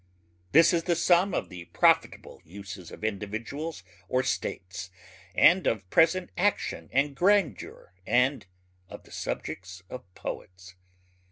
This is the sum of the profitable uses of individuals or states and of present action and grandeur and of the subjects of poets.